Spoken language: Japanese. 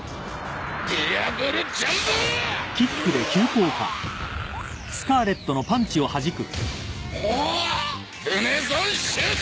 ウホヴネゾンシュート！